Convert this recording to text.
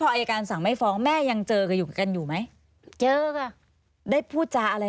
อายการสั่งไม่ฟ้องแม่ยังเจอกันอยู่กันอยู่ไหมเจอค่ะได้พูดจาอะไร